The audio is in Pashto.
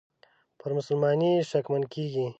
پر مسلماني یې شکمن کیږي.